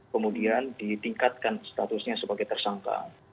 kemudian ditingkatkan statusnya sebagai tersangka